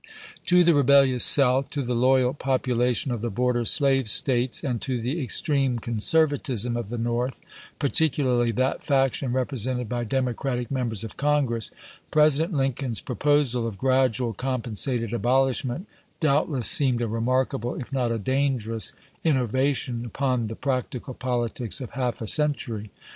To the rebellious South, to the loyal population of the border slave States, and to the extreme con servatism of the North, particularly that faction represented by Democratic Members of Congress, President Lincoln's proposal of gradual compen isL ' sated abolishment doubtless seemed a remarkable if not a dangerous innovation upon the practical politics of half a century.